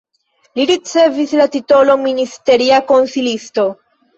Li ricevis la titolon ministeria konsilisto.